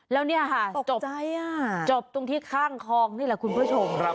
แล้วเนี่ยค่ะจบตรงที่ข้างคลองนี่แหละคุณผู้ชม